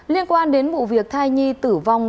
liên quan đến vụ việc thai nhi tử vong